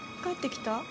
帰ってきた？